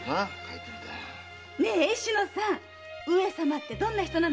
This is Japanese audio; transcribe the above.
ねえ志乃さん上様ってどんな人なの？